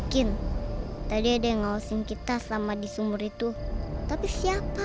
bikin tadi ada ngawasin kita sama di sumur itu tapi siapa